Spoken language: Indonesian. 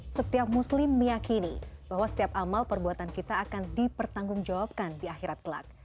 setiap muslim meyakini bahwa setiap amal perbuatan kita akan dipertanggungjawabkan di akhirat kelak